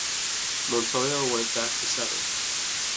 Montoya went back to seventh.